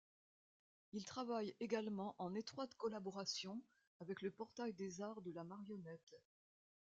Il travaille également en étroite collaboration avec le Portail des arts de la marionnette.